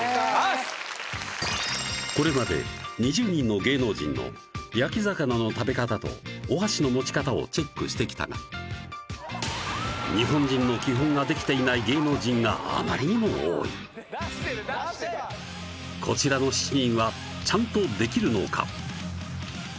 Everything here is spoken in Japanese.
これまで２０人の芸能人の焼き魚の食べ方とお箸の持ち方をチェックしてきたが日本人の基本ができていない芸能人があまりにも多いこちらの７人はちゃんとできるのか？